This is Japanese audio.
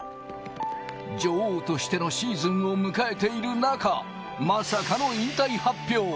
女王としてのシーズンを迎えている中、まさかの引退発表。